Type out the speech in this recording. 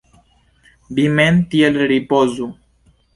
Vi mem tiel ripozu!